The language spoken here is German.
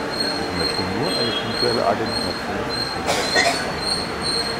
Ich möchte nur eine punktuelle Argumentation zum Thema der Kosten anführen.